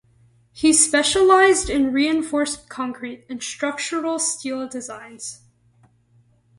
He specialised in reinforced concrete and structural steel designs.